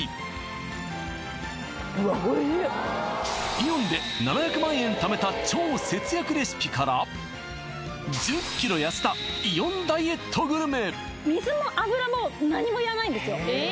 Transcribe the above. イオンで７００万円貯めた超節約レシピから１０ｋｇ痩せたイオンダイエットグルメ！